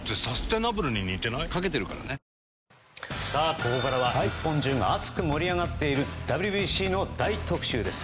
ここからは日本中が熱く盛り上がっているＷＢＣの大特集です。